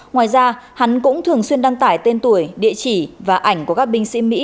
ngoài ra hắn cũng thường xuyên đăng tải tên tuổi địa chỉ và ảnh của các binh sĩ mỹ